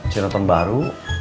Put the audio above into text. cerita yang baru